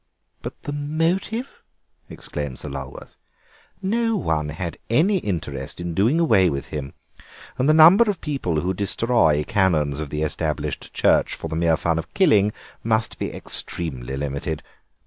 "But the motive?" exclaimed Sir Lulworth; "no one had any interest in doing away with him, and the number of people who destroy Canons of the Established Church for the mere fun of killing must be extremely limited.